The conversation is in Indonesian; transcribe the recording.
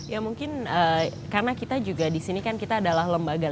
ya mungkin karena kita juga di sini kan kita adalah lembaga